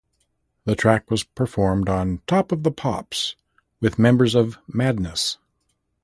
The track was performed on "Top of the Pops" with members of Madness.